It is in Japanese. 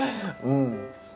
うん。